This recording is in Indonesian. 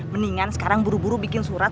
mendingan sekarang buru buru bikin surat